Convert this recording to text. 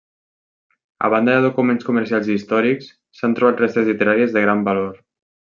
A banda de documents comercials i històrics, s'han trobat restes literàries de gran valor.